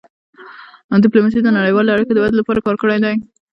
ډيپلوماسي د نړیوالو اړیکو د ودې لپاره کار کړی دی.